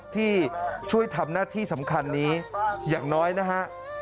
ที่ช่วยทำหน้าที่สำคัญนี้อย่างน้อยนะฮะ